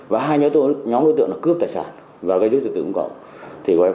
và hai nhóm đối tượng cướp tài sản và gây dối trật tự công cộng